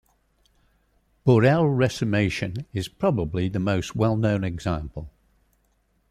Borel resummation is probably the most well-known example.